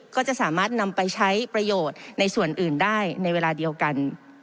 ก็จะสามารถนำไปใช้ประโยชน์ในส่วนอื่นได้ในเวลาเดียวกัน